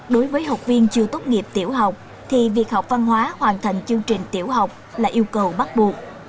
đối với học viên chưa tốt nghiệp tiểu học thì việc học văn hóa hoàn thành chương trình tiểu học là yêu cầu bắt buộc